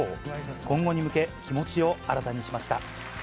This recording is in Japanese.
今後に向け、気持ちを新たにしました。